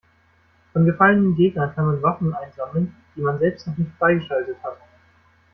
Von gefallenen Gegnern kann man Waffen einsammeln, die man selbst noch nicht freigeschaltet hat.